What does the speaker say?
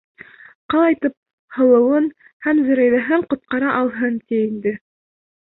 Ҡалайтып һылыуын һәм Зөрәйҙәһен ҡотҡара алһын ти инде!